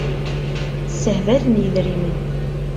Ssehbalen yidrimen.